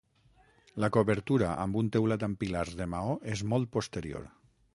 La cobertura amb un teulat amb pilars de maó és molt posterior.